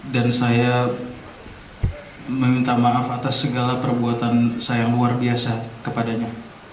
dan saya meminta maaf atas segala perbuatan saya yang luar biasa kepadanya